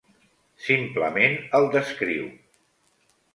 Simplement el descriu.